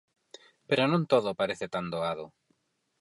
Pero non todo parece tan doado.